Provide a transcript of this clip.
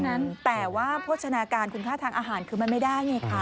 นั้นแต่ว่าโภชนาการคุณค่าทางอาหารคือมันไม่ได้ไงคะ